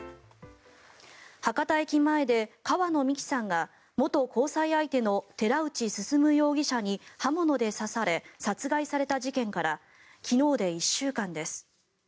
博多駅前で川野美樹さんが元交際相手の寺内進容疑者に刃物で刺され殺害された事件から昨日で１週間です。